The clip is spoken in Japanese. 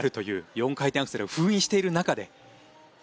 ４回転アクセルを封印している中で。